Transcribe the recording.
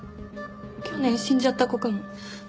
去年死んじゃった子かも。